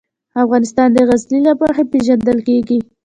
افغانستان د غزني له مخې پېژندل کېږي.